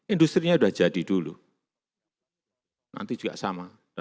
industri nya sudah jadi dulu nanti juga sama